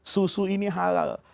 susu ini halal